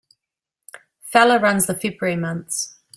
Feller runs the February months.